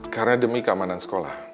karena demi keamanan sekolah